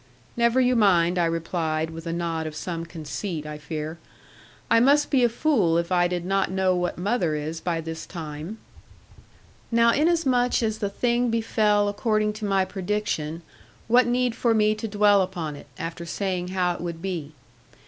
'Never you mind,' I replied, with a nod of some conceit, I fear: 'I must be a fool if I did not know what mother is by this time.' Now inasmuch as the thing befell according to my prediction, what need for me to dwell upon it, after saying how it would be?